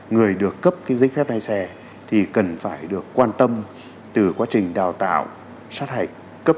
người được cấp cái giấy phép lái xe thì cần phải được quan tâm từ quá trình đào tạo sát hạch cấp